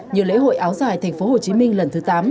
như lễ hội áo giải tp hcm lần thứ tám